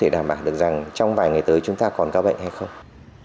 không có thể đảm bảo được rằng trong vài ngày tới chúng ta còn cao bệnh hay không